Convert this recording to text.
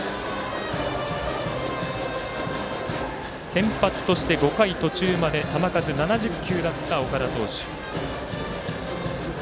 先発として５回途中まで球数７０球だった岡田投手。